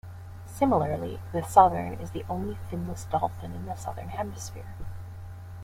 Similarly, the Southern is the only finless dolphin in the southern hemisphere.